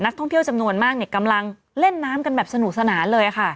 ท่องเที่ยวจำนวนมากกำลังเล่นน้ำกันแบบสนุกสนานเลยค่ะ